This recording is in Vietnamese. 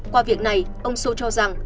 qua việc này ông sô cho rằng